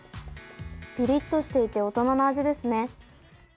ピリッとしていて大人の味ですね。